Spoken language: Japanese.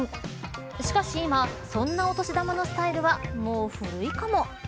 しかし、今そんなお年玉のスタイルはもう古いかも。